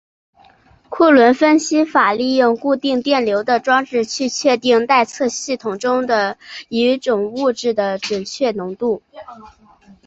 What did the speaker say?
库伦分析法利用固定电流的装置去确定待测系统中一物质的确切浓度。